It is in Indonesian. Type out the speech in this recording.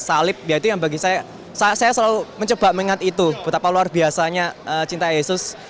salib ya itu yang bagi saya saya selalu mencoba mengingat itu betapa luar biasanya cinta yesus